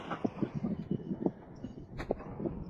理县虎耳草为虎耳草科虎耳草属下的一个种。